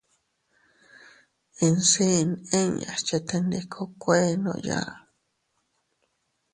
Insiin inñas chetendikokuennooya.